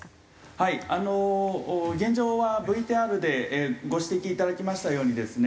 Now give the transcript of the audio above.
はいあの現状はＶＴＲでご指摘いただきましたようにですね